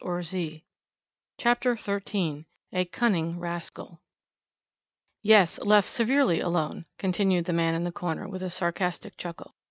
CHAPTER XIII A CUNNING RASCAL "Yes, left severely alone," continued the man in the corner with a sarcastic chuckle.